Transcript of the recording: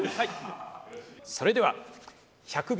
それでは１００秒